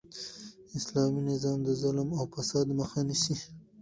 اسلامي نظام د ظلم او فساد مخ نیسي.